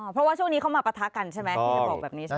เพราะว่าช่วงนี้เขามาประทะกันใช่ไหม